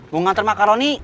mau ngantar makaroni